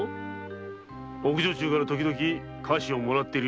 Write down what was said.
奥女中から時々菓子をもらっているそうではないか。